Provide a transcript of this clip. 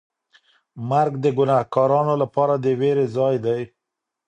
مرګ د ګناهکارانو لپاره د وېرې ځای دی.